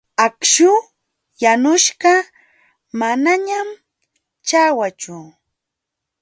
Akśhu yanuśhqa manañan ćhawachu.